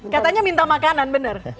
katanya minta makanan bener